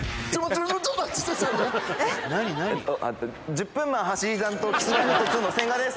「１０分マン走り担当Ｋｉｓ−Ｍｙ−Ｆｔ２の千賀です！」